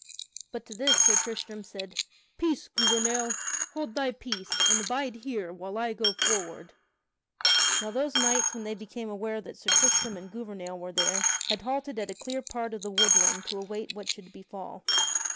But to this Sir Tristram said: "Peace, Gouvernail! Hold thy peace, and bide here while I go forward!" Now those knights when they became aware that Sir Tristram and Gouvernail were there, had halted at a clear part of the woodland to await what should befall.